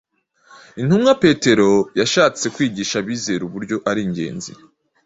Intumwa petero yashatse kwigisha abizera uburyo ari ingenzi